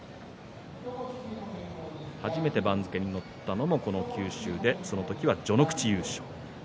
初めて番付に載ったのも九州でその時は序ノ口優勝。